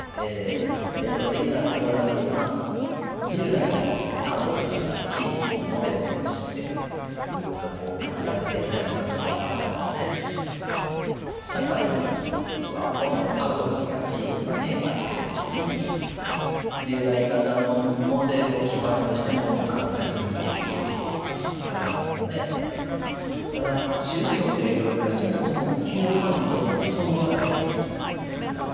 伝統的な教団というのは従来の家族や地域をモデルとしてずっと組み立ててきたようなところがあるので社会はどんどん家族や地域は変化しているのに従来型のモデルを基盤としてものを考えるという傾向がありますのでただ宗教という領域はそもそも急ハンドルがそぐわない領域なんですよ。